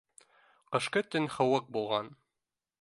Ҡышҡы төн һыуыҡ булған